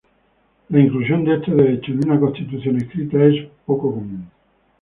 La inclusión de este derecho en una constitución escrita es poco común.